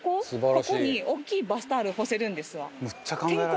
ここに大きいバスタオル干せるんですわ。